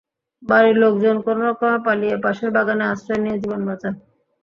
বাড়ির লোকজন কোনো রকমে পালিয়ে পাশের বাগানে আশ্রয় নিয়ে জীবন বাঁচান।